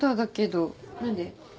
何で？